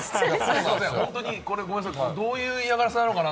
本当にこれ、どういう嫌がらせなのかな？